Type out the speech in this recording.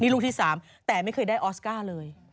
ลูกที่๓แต่ไม่เคยได้ออสการ์เลย